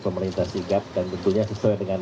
pemerintah singkat dan bentuknya sesuai dengan